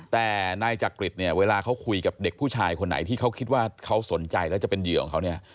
แต่นายจักริตเนี่ยเวลาเขาคุยกับเด็กผู้ชายคนไหนที่เขาคิดว่าเขาสนใจแล้วจะเป็นเหยื่อของเขาเนี่ย